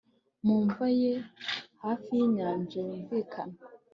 Mu mva ye hafi yinyanja yumvikana